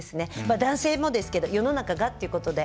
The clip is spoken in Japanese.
男性もですけど世の中がっていうことで。